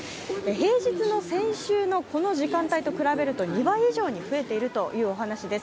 平日の先週のこの時間帯と比べると２倍以上に増えているというお話です。